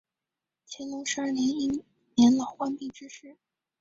乾隆十二年因年老患病致仕。